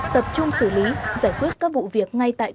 tập trung xử lý giải quyết các vụ việc ngay tại cơ sở